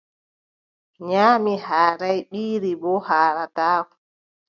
Nyaamii haaraay, ɓiiri boo haarataa.